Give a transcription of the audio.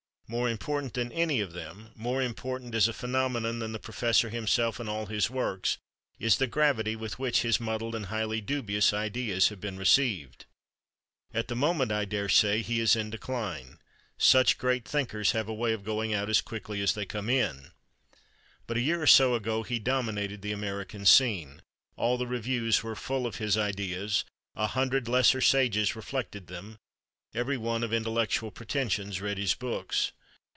More important than any of them, more important as a phenomenon than the professor himself and all his works, is the gravity with which his muddled and highly dubious ideas have been received. At the moment, I daresay, he is in decline; such Great Thinkers have a way of going out as quickly as they come in. But a year or so ago he dominated the American scene. All the reviews were full of his ideas. A hundred lesser sages reflected them. Every one of intellectual pretentions read his books.